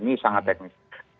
ini sangat teknis